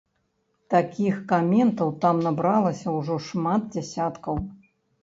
Такіх каментаў там набралася ўжо шмат дзясяткаў.